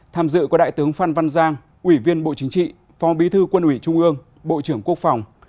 tham dự có đại tướng phan văn giang ủy viên bộ chính trị phó bí thư quân ủy trung ương bộ trưởng quốc phòng